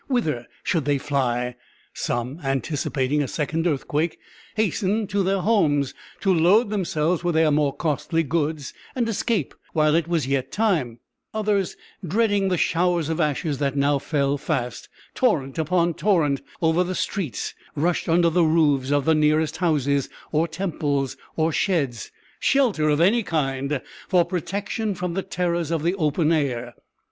Whither should they fly? Some, anticipating a second earthquake, hastened to their homes to load themselves with their more costly goods and escape while it was yet time; others, dreading the showers of ashes that now fell fast, torrent upon torrent, over the streets, rushed under the roofs of the nearest houses, or temples, or sheds shelter of any kind for protection from the terrors of the open air.